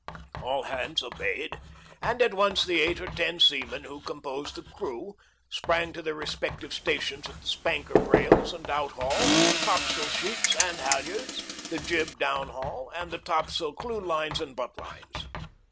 All hands obeyed, and at once the eight or ten seamen who composed the crew, sprang to their respective stations at the spanker brails and outhaul, topsail sheets and halyards, the jib downhaul, and the topsail clewlines and buntlines.